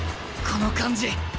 この感じ。